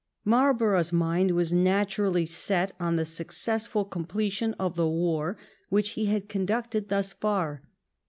Marlborough's mind was naturally set on the suc cessful completion of the war which he had conducted thus far.